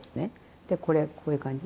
でこれこういう感じ？